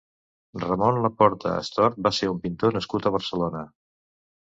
Ramon Laporta Astort va ser un pintor nascut a Barcelona.